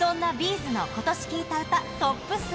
’ｚのことし聴いた歌トップ３。